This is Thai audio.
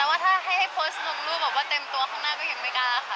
แต่ว่าถ้าให้โพสต์ลงรูปแบบว่าเต็มตัวข้างหน้าก็ยังไม่กล้าค่ะ